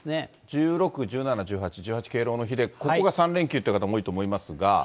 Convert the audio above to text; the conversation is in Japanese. １６、１７、１８で、１８敬老の日で、ここが３連休という方も多いと思いますが。